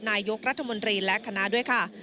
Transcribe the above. นายกรัฐมนตรีและคณะด้วยค่ะ